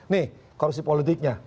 nih korupsi politiknya